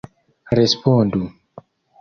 Respondu!